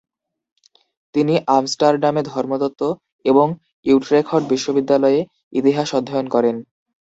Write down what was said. তিনি আমস্টারডামে ধর্মতত্ত্ব এবং ইউট্রেখট বিশ্ববিদ্যালয়ে ইতিহাস অধ্যয়ন করেন।